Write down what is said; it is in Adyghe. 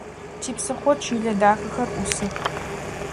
Типсыхъо чылэ дахэхэр ӏусых.